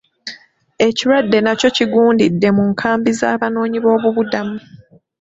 Ekirwadde nakyo kigundidde mu nkambi z'abanoonyi b'obubuddamu.